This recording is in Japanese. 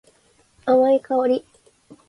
甘い香り。